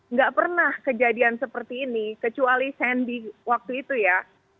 nggak pernah kejadian seperti ini kecuali sandy waktu itu ya